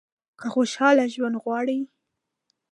که خوشاله ژوند غواړئ .